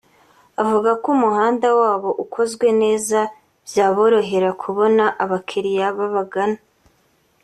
avuga ko umuhanda wabo ukozwe neza byaborohera kubona abakiriya babagana